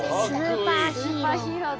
スーパーヒーロー。